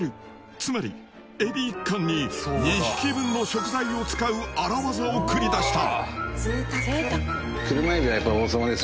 つまり海老一貫に２匹分の食材を使う荒技を繰り出した！